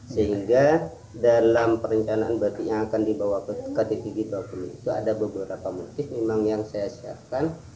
sehingga dalam perencanaan batik yang akan dibawa ke kttg dua puluh itu ada beberapa motif memang yang saya siapkan